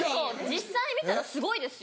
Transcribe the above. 実際見たらすごいですよ。